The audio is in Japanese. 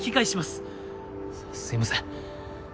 すすいません。